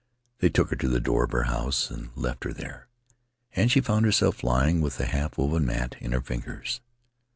They took her to the door of her house and left her there; and she found herself lying with the half woven mat in her fingers.